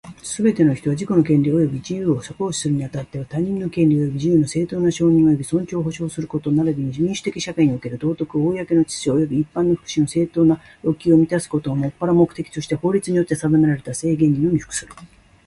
すべて人は、自己の権利及び自由を行使するに当っては、他人の権利及び自由の正当な承認及び尊重を保障すること並びに民主的社会における道徳、公の秩序及び一般の福祉の正当な要求を満たすことをもっぱら目的として法律によって定められた制限にのみ服する。